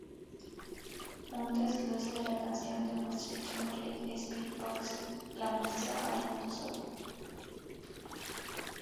Un desglose de la canción, donde Timberlake es beat boxing, lo muestra bailando solo.